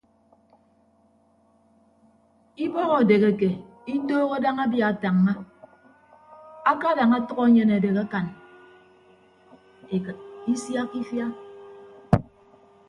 Ibọk edeheke itooho daña abia atañña akadañ atʌk enyen adehe akan ekịt isiakka ifia.